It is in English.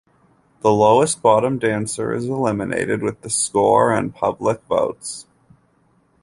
The lowest bottom dancer is eliminated with the score and public votes.